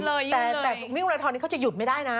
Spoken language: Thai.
อีกวิ่งมาแล้วตอนนี้เขาจะหยุดไม่ได้นะ